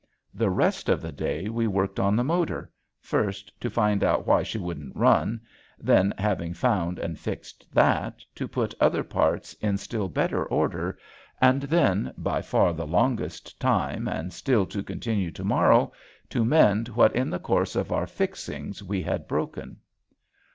The rest of the day we worked on the motor first to find out why she wouldn't run, then, having found and fixed that, to put other parts in still better order, and then, by far the longest time and still to continue to morrow, to mend what in the course of our fixing we had broken.